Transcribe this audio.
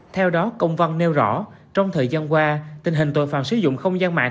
theo đó công văn nêu rõ trong thời gian qua tình hình tội phạm sử dụng không gian mạng